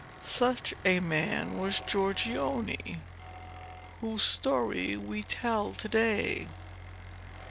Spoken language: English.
Such a man was Giorgione, whose story we tell to day.